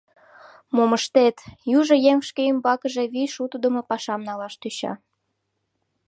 — Мом ыштет, южо еҥ шке ӱмбакыже вий шутыдымо пашам налаш тӧча.